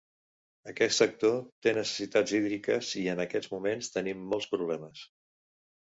Aquest sector té necessitats hídriques i en aquests moments tenim molts problemes.